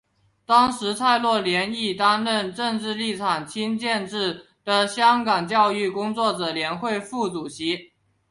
当时蔡若莲亦担任政治立场亲建制的香港教育工作者联会副主席。